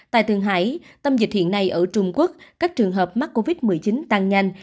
tại thường hải tâm dịch hiện nay ở trung quốc các trường hợp mắc covid một mươi chín tăng nhanh